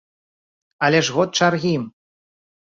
Але ж год чаргі!